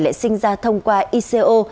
lại sinh ra thông qua ico